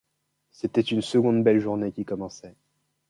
C’était une seconde belle journée qui commençait.